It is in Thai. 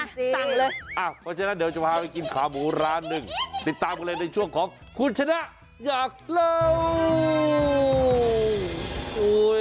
เพราะฉะนั้นเดี๋ยวจะพาไปกินขาหมูร้านหนึ่งติดตามกันเลยในช่วงของคุณชนะอยากเลย